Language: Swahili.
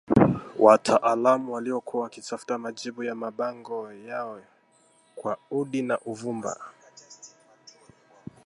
Wataalamu waliokuwa wakitafuta majibu ya mabango yao kwa udi na uvumba